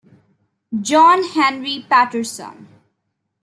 John Henry Patterson.